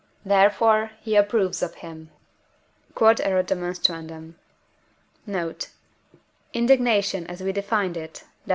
Therefore he approves of him. Q.E.D. Note. Indignation as we defined it (Def.